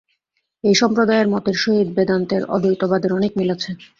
এই সম্প্রদায়ের মতের সহিত বেদান্তের অদ্বৈতবাদের অনেক মিল আছে।